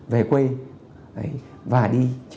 về quê và đi